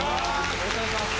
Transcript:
よろしくお願いします。